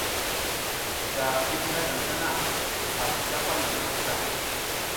Da i jinakaƞ tana, a tika palnaƞʼha nguta.